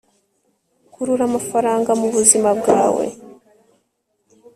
Kurura amafaranga mubuzima bwawe